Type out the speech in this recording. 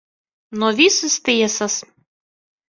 No visas tiesas.